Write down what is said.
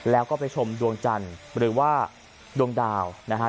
แล้วก็ไปชมดวงจันทร์หรือว่าดวงดาวนะฮะ